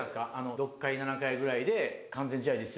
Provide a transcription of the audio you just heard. ６回７回ぐらいで「完全試合ですよ」